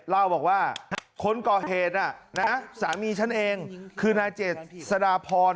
ล่าวบอกว่าคนก่อเหตุอ่ะนะสามีฉันเองคือนาเจ็ดสนาพร